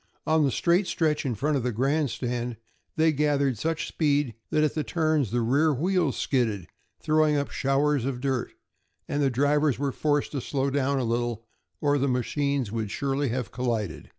On the straight stretch in front of the grandstand they gathered such speed that at the turns the rear wheels skidded, throwing up showers of dirt, and the drivers were forced to slow down a little or the machines would surely have collided.